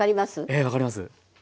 ええ分かります。